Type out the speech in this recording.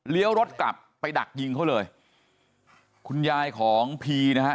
รถกลับไปดักยิงเขาเลยคุณยายของพีนะฮะ